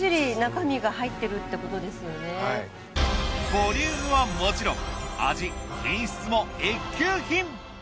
ボリュームはもちろん味品質も一級品！